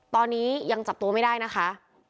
ตอนนี้ยังจับตัวไม่ได้นะคะ